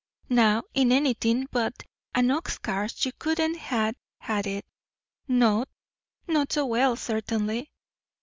"Now in anythin' but an ox cart, you couldn't ha' had it." "No, not so well, certainly."